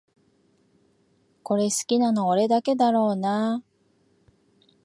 これ好きなの俺だけだろうなあ